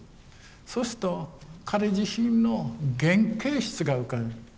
そうすると彼自身の原形質が浮かぶ。